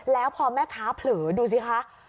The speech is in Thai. แล้วพอแม่ค้าเผลอดูสิคะ